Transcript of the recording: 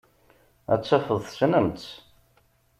Ad tafeḍ tessnem-tt.